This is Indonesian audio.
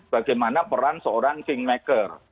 bagaimana peran seorang pinkmaker